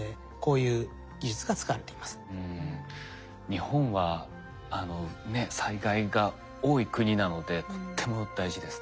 日本は災害が多い国なのでとっても大事ですね。